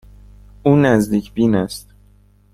او نزدیک بین است.